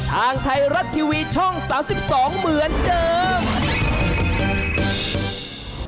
ทางไทยรัฐทีวีช่อง๓๒เหมือนเดิม